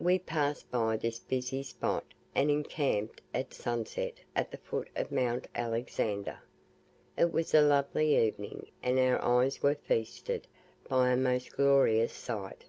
We passed by this busy spot and encamped at sunset at the foot of Mount Alexander. It was a lovely evening and our eyes were feasted by a Most glorious sight.